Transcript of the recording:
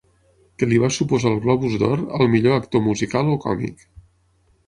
Que li va suposar el Globus d'Or al millor actor musical o còmic.